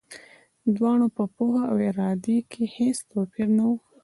د دواړو په پوهه او اراده کې هېڅ توپیر نه و.